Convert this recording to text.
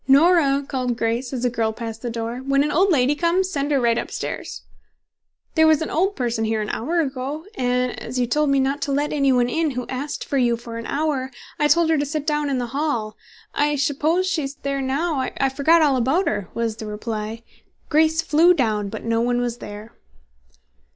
"Nora," called Grace, as a girl passed the door, "when an old lady comes, send her right up stairs." "There was an old person here an hour ago, and as you told me not to let any one in who asked for you for an hour, I told her to sit down in the hall. I suppose she's there now. I forgot all about her," was the reply. Grace flew down, but there was no one there.